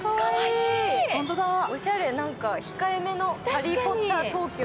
おしゃれ、なんか控えめのハリー・ポッターＴＯＫＹＯ。